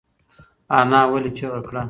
انا ولې چیغه کړه؟